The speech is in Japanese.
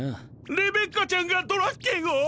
レベッカちゃんがドラッケンを？